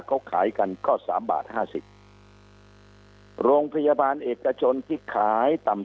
เขาขายกันก็๓บาท๕๐โรงพยาบาลเอกชนที่ขายต่ำ